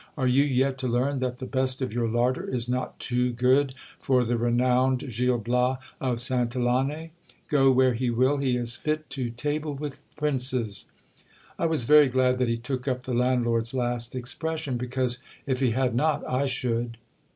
Are you yet to learn that the best of your larder is not too good for the renowned Gil Bias of Santillane ? Go where he will, he is fit to table with princes. I was very glad that he took up the landlord's last expression ; because if he had not, I should.